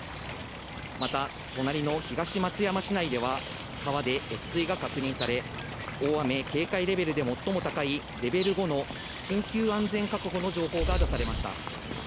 また、隣の東松山市内では、川で越水が確認され、大雨警戒レベルで最も高いレベル５の緊急安全確保の情報が出されました。